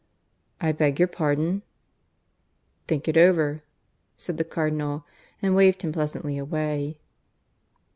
"I beg your pardon?" "Think it over," said the Cardinal, and waved him pleasantly away.